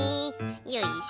よいしょ。